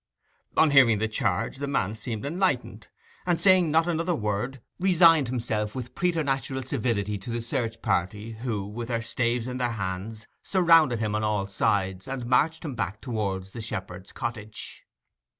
On hearing the charge, the man seemed enlightened, and, saying not another word, resigned himself with preternatural civility to the search party, who, with their staves in their hands, surrounded him on all sides, and marched him back towards the shepherd's cottage.